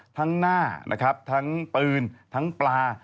ทั้งหน้าทั้งปืนทั้งปลา